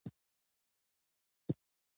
درې ټکه مې نور پسې وکړل او یو مې ځنې را و پرځاوه.